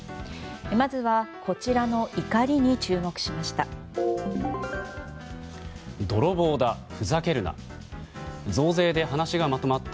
まずは、こちらの怒りに注目しました。